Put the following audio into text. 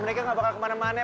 mereka nggak bakal kemana mana